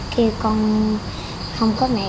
kêu con không có mẹ